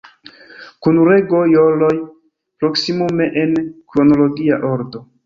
Kun rego-joroj; proksimume en kronologia ordo.